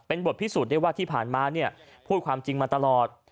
บทพิสูจน์ได้ว่าที่ผ่านมาเนี่ยพูดความจริงมาตลอด